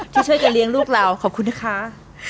ที่ช่วยกันเลี้ยงลูกเราขอบคุณนะคะ